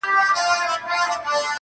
څوک حاجیان دي څوک پیران څوک عالمان دي.